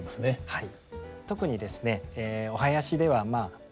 はい。